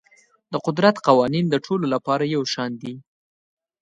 د قدرت قوانین د ټولو لپاره یو شان دي.